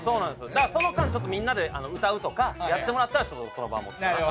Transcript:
だからその間ちょっとみんなで歌うとかやってもらったらその場は持つかなと。